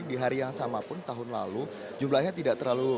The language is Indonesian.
di hari yang sama pun tahun lalu jumlahnya tidak terlalu